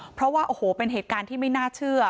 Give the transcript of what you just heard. เพราะว่าโอ้โหเป็นเหตุการณ์ที่ไม่น่าเชื่อ